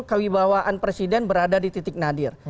kewibawaan presiden berada di titik nadir